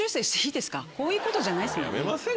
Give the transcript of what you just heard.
こういうことじゃないですもん。